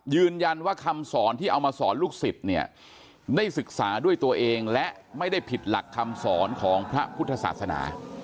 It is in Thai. ยืนยันว่าคำสอนที่เอามาสอนลูกศิษย์เนี่ยได้ศึกษาด้วยตัวเองและไม่ได้ผิดหลักคำสอนของพระพุทธศาสนา